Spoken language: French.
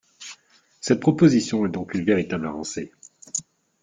Cette proposition est donc une véritable avancée.